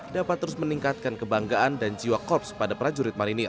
dapat terus meningkatkan kebanggaan dan jiwa korps pada prajurit marinir